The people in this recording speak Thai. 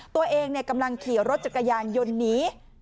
ตัวเองกำลังขี่รถจักรยานยนต์หนี